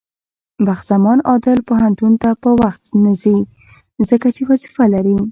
بخت زمان عادل پوهنتون ته په وخت نځي، ځکه چې وظيفه لري.